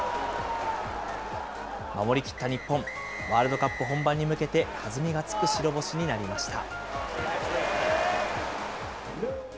守り切った日本、ワールドカップ本番に向けて、弾みがつく白星になりました。